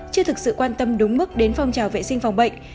chưa thực sự quan tâm đúng mức đến phong trào vệ sinh phòng bệnh